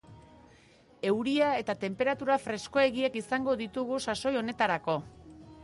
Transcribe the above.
Euria eta tenperatura freskoegiak izango ditugu sasoi honetarako.